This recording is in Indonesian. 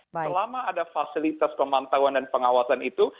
selama ada fasilitas pemantauan dan pengawasan itu